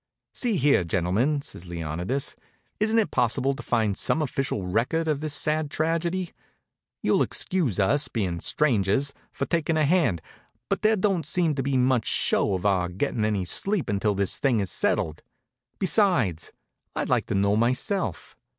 "See here, gentlemen," says Leonidas, "isn't it possible to find some official record of this sad tragedy? You'll excuse us, being strangers, for takin' a hand, but there don't seem to be much show of our getting any sleep until this thing is settled. Besides, I'd like to know myself.